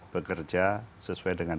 bekerja sesuai dengan